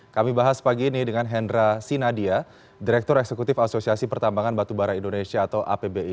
kami bahas pagi ini dengan hendra sinadia direktur eksekutif asosiasi pertambangan batubara indonesia atau apbi